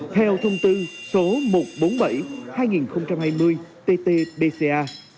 theo thông tư số một trăm bốn mươi bảy hai nghìn hai mươi tt bca